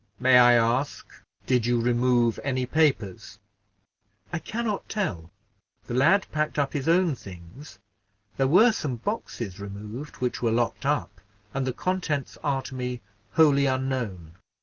"May I ask, did you remove any papers?" "I can not tell; the lad packed up his own things; there were some boxes removed, which were locked up, and the contents are to me wholly unknown.